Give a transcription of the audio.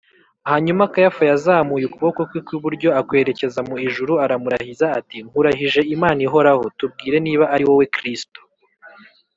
hanyuma kayafa, yazamuye ukuboko kwe kw’iburyo akwerekeza mu ijuru, aramurahiza ati, “nkurahirije imana ihoraho, tubwire niba ari wowe kristo,